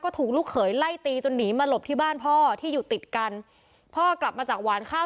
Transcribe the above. ถูกลูกเขยไล่ตีจนหนีมาหลบที่บ้านพ่อที่อยู่ติดกันพ่อกลับมาจากหวานข้าว